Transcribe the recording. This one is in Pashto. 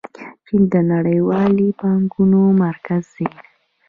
چین د نړیوالې پانګونې مرکز دی.